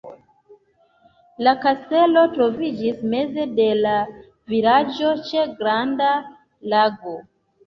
La kastelo troviĝis meze de la vilaĝo ĉe granda lago.